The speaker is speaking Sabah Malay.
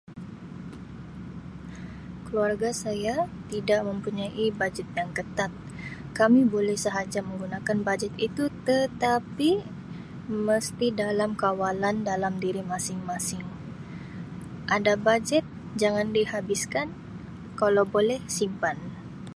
Keluarga saya tidak mempunyai bajet yang ketat kami boleh sahaja menggunakan bajet itu tetapi mesti dalam kawalan dalam diri masing-masing, ada bajet jangan dihabiskan kalau boleh simpan.